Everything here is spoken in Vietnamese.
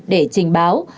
để trình báo